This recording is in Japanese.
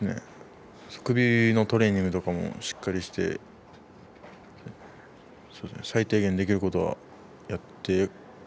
首のトレーニングをしっかりして最低限できることはやりました。